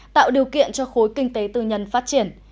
tạo điều kiện cho khối kinh tế tư nhân phát triển